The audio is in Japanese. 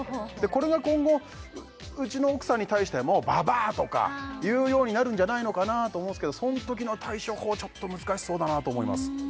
これが今後うちの奥さんに対しても「ババア」とか言うようになるんじゃないのかなと思うんですけどそのときの対処法ちょっと難しそうだなと思います